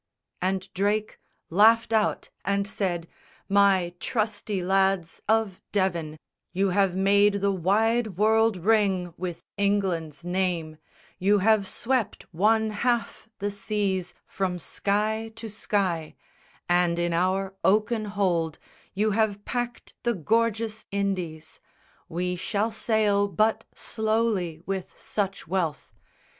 And Drake laughed out and said, "My trusty lads Of Devon, you have made the wide world ring With England's name; you have swept one half the seas From sky to sky; and in our oaken hold You have packed the gorgeous Indies. We shall sail But slowly with such wealth.